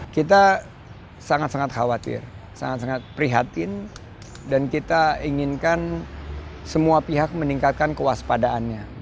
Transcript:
kita sangat sangat khawatir sangat sangat prihatin dan kita inginkan semua pihak meningkatkan kewaspadaannya